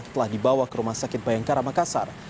telah dibawa ke rumah sakit bayangkara makassar